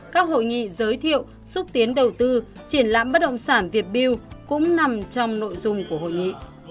các hội nghị giới thiệu xúc tiến đầu tư triển lãm bất động sản việt build cũng nằm trong nội dung của hội nghị